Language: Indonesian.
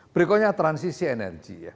berikutnya transisi energi